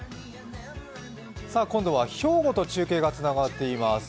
今度は兵庫と中継がつながっています。